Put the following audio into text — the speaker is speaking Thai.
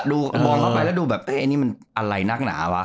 มองเข้าไปแล้วดูแบบไอ้นี่มันอะไรนักหนาวะ